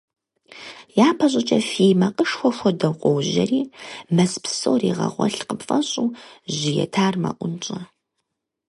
Япэ щӀыкӀэ фий макъышхуэ хуэдэу къожьэри, мэз псор игъэгъуэлъ къыпфӀэщӀу, жьы етар мэӀунщӀэ.